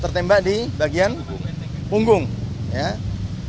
tertembak di bagian punggung kemudian yang bersangkutan keluar